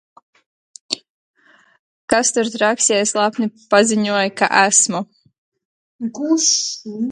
Kas tur traks, ja es lepni paziņoju, ka esmu?